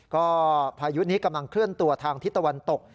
ก็พายุนี้กำลังเคลื่อนตัวทางทิศตะวันตก